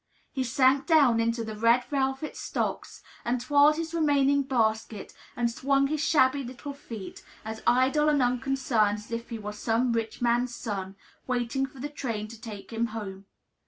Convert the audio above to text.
He sank down into the red velvet stocks, and twirled his remaining basket, and swung his shabby little feet, as idle and unconcerned as if he were some rich man's son, waiting for the train to take him home.